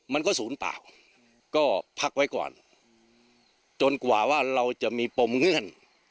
มันก็ศูนย์เปล่าก็พักไว้ก่อนจนกว่าว่าเราจะมีปมเงื่อน